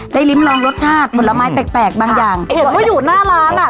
ริมลองรสชาติผลไม้แปลกแปลกบางอย่างเห็นว่าอยู่หน้าร้านอ่ะ